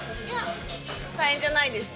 大変じゃないです。